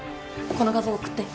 この画像送って。